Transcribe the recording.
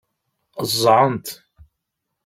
Ẓẓɛen-t.